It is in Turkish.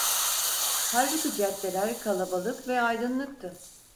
Halbuki caddeler kalabalık ve aydınlıktı.